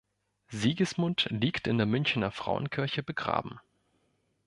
Sigismund liegt in der Münchener Frauenkirche begraben.